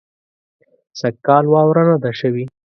سږ کال واوره نۀ ده شوې